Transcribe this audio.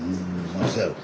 そうやろ。